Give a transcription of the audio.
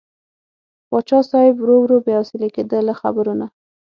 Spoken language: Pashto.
پاچا صاحب ورو ورو بې حوصلې کېده له خبرو نه.